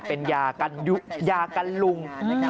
เป็นยากันยุยากันลุง